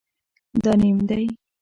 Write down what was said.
دا نیم دی